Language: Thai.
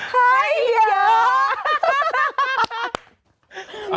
ไปเยอะ